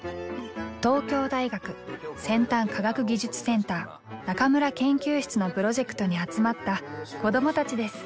東京大学先端科学技術センター中邑研究室のプロジェクトに集まった子どもたちです。